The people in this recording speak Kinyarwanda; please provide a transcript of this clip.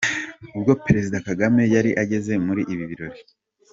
Ubwo Perezida Kagame yari ageze muri ibi birori.